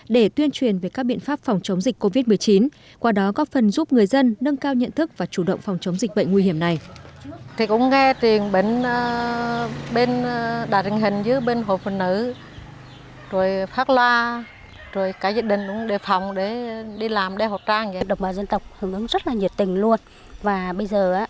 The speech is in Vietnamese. để tuyên truyền về các biện pháp phòng chống dịch covid một mươi chín qua đó góp phần giúp người dân nâng cao nhận thức và chủ động phòng chống dịch bệnh nguy hiểm này